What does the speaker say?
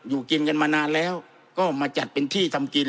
อยู่กินกันมานานแล้วก็มาจัดเป็นที่ทำกิน